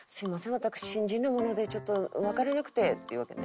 私新人なものでちょっとわからなくて」って言うわけね。